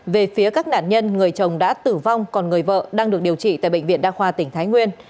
về phía các nạn nhân người chồng đã tử vong còn người vợ đang được điều trị tại bệnh viện đa khoa tỉnh thái nguyên